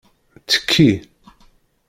Ttekki!